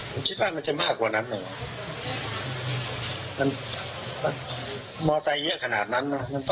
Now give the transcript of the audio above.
ผมคิดว่ามันจะมากกว่านั้นนะครับมอไซค์เยอะขนาดนั้นนะ